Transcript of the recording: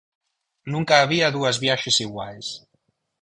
Nunca había dúas viaxes iguais.